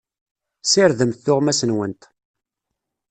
Ssirdemt tuɣmas-nwent.